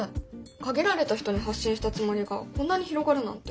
限られた人に発信したつもりがこんなに広がるなんて。